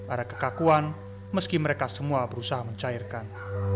ada kekakuan meski mereka semua berusaha mencairkan